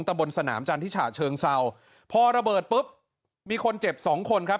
บนสนามจันทร์ที่ฉะเชิงเศร้าพอระเบิดปุ๊บมีคนเจ็บสองคนครับ